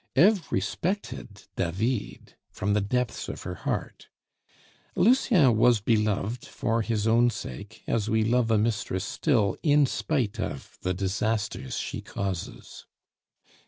Eve respected David from the depths of her heart; Lucien was beloved for his own sake, as we love a mistress still in spite of the disasters she causes.